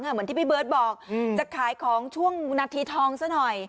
เหมือนที่พี่เบิร์ตบอกจะขายของช่วงนาทีทองซะหน่อย